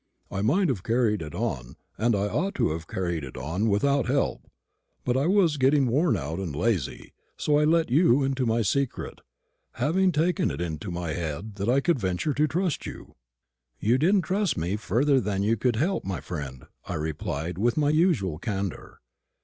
I might have carried it on, and I ought to have carried it on, without help; but I was getting worn out and lazy, so I let you into my secret, having taken it into my head that I could venture to trust you." "You didn't trust me further than you could help, my friend," I replied with my usual candour.